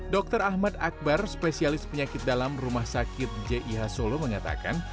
dr ahmad akbar spesialis penyakit dalam rumah sakit jih solo mengatakan